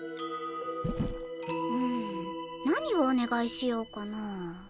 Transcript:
ん何をお願いしようかなあ。